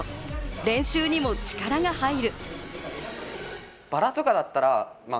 練習にも力が入る。